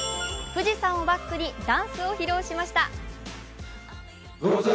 富士山をバックにダンスを披露しました。